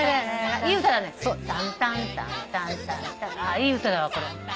いい歌だわこれ。